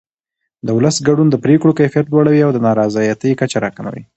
د ولس ګډون د پرېکړو کیفیت لوړوي او د نارضایتۍ کچه راکموي